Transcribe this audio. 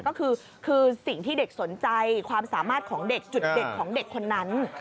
ก็คือสิ่งที่เด็กสนใจความสามารถของเด็กจุดเด็ดของเด็กคนนั้น